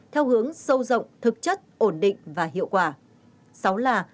theo hướng sâu rộng thực chất ổn định và hiệu quả